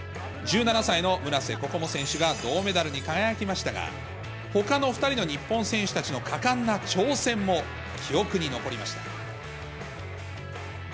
１７歳の村瀬心椛選手が銅メダルに輝きましたが、ほかの２人の日本選手たちの果敢な挑戦も、記憶に残りました。